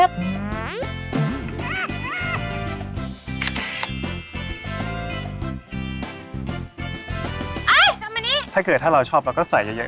เอ้ยทำอย่างนี้ถ้าเกิดถ้าเราชอบเราก็ใส่เยอะก็ได้ค่ะ